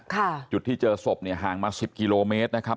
จุดที่เจอศพเนี่ยห่างมาสิบกิโลเมตรนะครับ